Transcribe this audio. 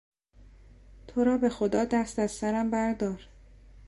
تو را به خدا دست از سرم بردار!